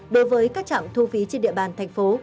đối với các trạm thu phí trên địa bàn thành phố